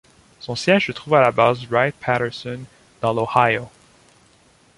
Son siège se trouve à la base Wright-Patterson dans l'Ohio.